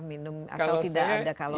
minum asal tidak ada kalau